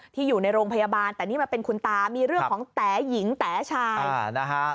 อยู่ในโรงพยาบาลแต่นี่มันเป็นคุณตามีเรื่องของแต๋หญิงแต๋ชายนะฮะ